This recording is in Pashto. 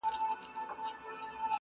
• نه به اوري څوك فرياد د مظلومانو -